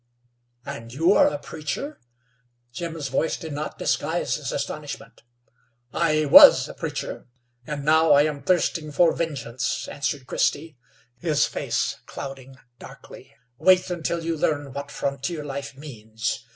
"And you are a preacher?" Jim's voice did not disguise his astonishment. "I was a preacher, and now I am thirsting for vengeance," answered Christy, his face clouding darkly. "Wait until you learn what frontier life means.